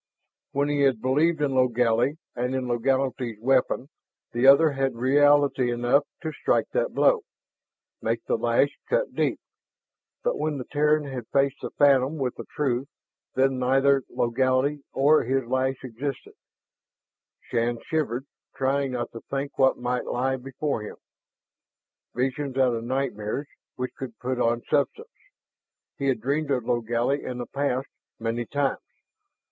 When he had believed in Logally and in Logally's weapon, the other had had reality enough to strike that blow, make the lash cut deep. But when the Terran had faced the phantom with the truth, then neither Logally nor his lash existed, Shann shivered, trying not to think what might lie before him. Visions out of nightmares which could put on substance! He had dreamed of Logally in the past, many times.